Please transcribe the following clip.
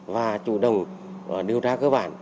và chủ động điều tra cơ bản